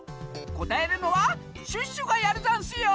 こたえるのはシュッシュがやるざんすよ！